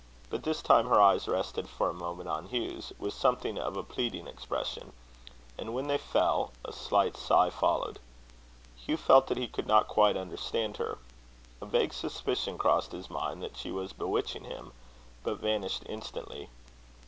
But this time her eyes rested for a moment on Hugh's, with something of a pleading expression; and when they fell, a slight sigh followed. Hugh felt that he could not quite understand her. A vague suspicion crossed his mind that she was bewitching him, but vanished instantly.